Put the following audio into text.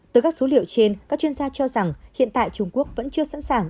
từ các số liệu trên các chuyên gia cho rằng hiện tại trung quốc vẫn chưa sẵn sàng